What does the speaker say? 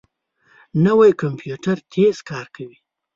نوی کمپیوټر تېز کار کوي